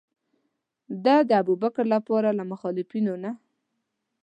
ده د ابوبکر لپاره له مخالفینو نه.